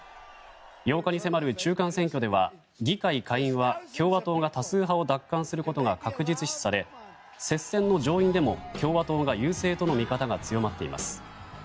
８日に迫る中間選挙では議会下院は共和党が多数派を奪還することが確実視され接戦の上院でも共和党が優勢との見方が強まっています。